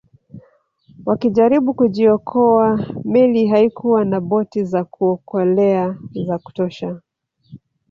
Wakijaribu kujiokoa meli haikuwa na boti za kuokolea za kutosha